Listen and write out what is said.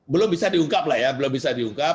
belum bisa diungkap lah ya belum bisa diungkap